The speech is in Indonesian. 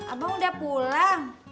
abang udah pulang